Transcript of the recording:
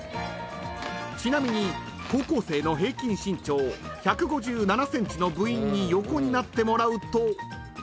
［ちなみに高校生の平均身長１５７ｃｍの部員に横になってもらうと］